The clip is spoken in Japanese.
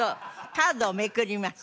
カードをめくります。